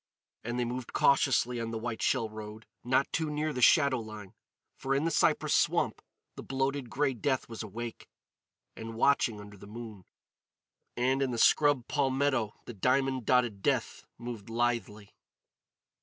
And they moved cautiously on the white shell road, not too near the shadow line. For in the cypress swamp the bloated grey death was awake and watching under the moon; and in the scrub palmetto the diamond dotted death moved lithely.